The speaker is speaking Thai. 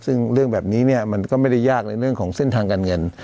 ซึ่งเรื่องแบบนี้เนี่ยมันก็ไม่ได้ยากในเรื่องของเส้นทางการเงิน